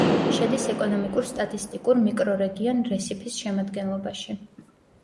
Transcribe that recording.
შედის ეკონომიკურ-სტატისტიკურ მიკრორეგიონ რესიფის შემადგენლობაში.